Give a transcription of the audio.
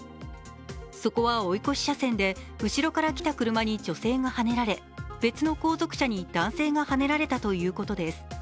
そこは追い越し車線で、後ろから来た車に女性がはねられ別の後続車に男性がはねられたということです。